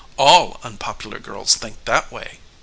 All unpopular girls think that way.